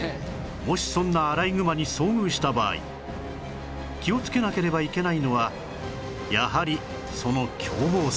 もしそんなアライグマに遭遇した場合気をつけなければいけないのはやはりその凶暴性